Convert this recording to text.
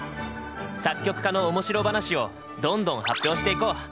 作曲家のおもしろ話をどんどん発表していこう。